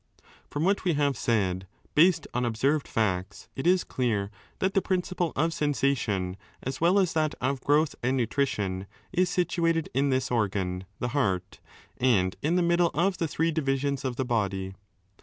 From what we have said, based on observed facts, it is dear that the principle of sensation, as well as that of growth and nutrition, is situated in this organ ([the heart]) and in the middle of the three divisions of the body.